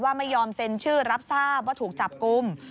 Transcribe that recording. ไม่ยอมเซ็นชื่อรับทราบว่าถูกจับกลุ่ม